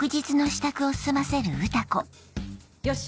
よし！